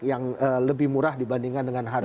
yang lebih murah dibandingkan dengan harga